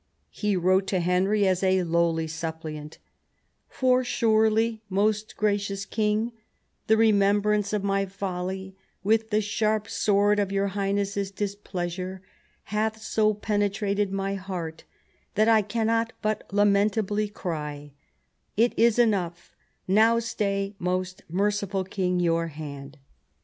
He wrote to Henry as a lowly suppliant, "For surely, most gracious king, the remembrance of my folly, with the sharp sword of your Highness's dis pleasure, hath so penetrated my heart that I cannot but lamentably cry, It is enough ; now stay, most merciful king, your hand."